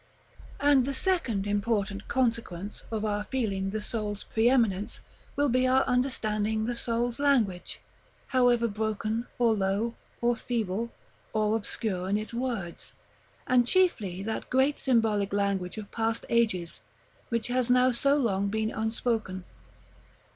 § IX. And the second important consequence of our feeling the soul's preëminence will be our understanding the soul's language, however broken, or low, or feeble, or obscure in its words; and chiefly that great symbolic language of past ages, which has now so long been unspoken.